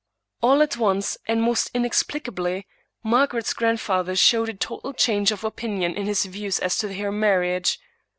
All at once, and most inexplicably, Margaret's grand father showed a total change of opinion in his views as to her marriage.